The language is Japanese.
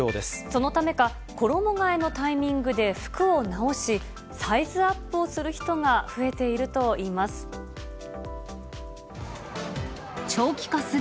そのためか、衣がえのタイミングで服を直し、サイズアップをする人が増えているといいます。